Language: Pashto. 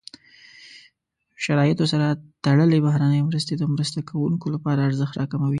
شرایطو سره تړلې بهرنۍ مرستې د مرسته کوونکو لپاره ارزښت راکموي.